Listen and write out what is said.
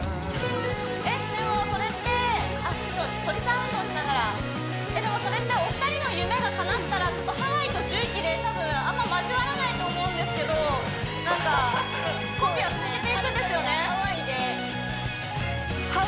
えっでもそれってあっ鳥さん運動しながらでもそれってお二人の夢がかなったらちょっとハワイと重機で多分あんま交わらないと思うんですけどなんかコンビは続けていくんですよね？